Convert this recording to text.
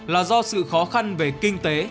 là do sự khó khăn về kinh tế